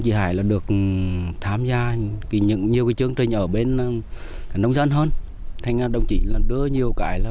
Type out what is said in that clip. chí hải được tham gia nhiều chương trình ở bên nông dân hơn thành ra đồng chí đưa nhiều cái là